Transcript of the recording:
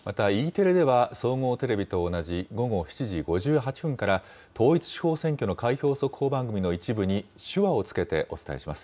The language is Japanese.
テレでは、総合テレビと同じ午後７時５８分から、統一地方選挙の開票速報番組の一部に手話をつけてお伝えします。